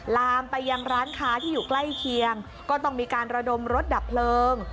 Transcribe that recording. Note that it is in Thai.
ลามไปยังร้านค้าที่อยู่ใกล้เคียงก็ต้องมีการระดมรถดับเพลิง